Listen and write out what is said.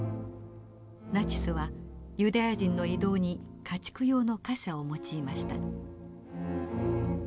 ナチスはユダヤ人の移動に家畜用の貨車を用いました。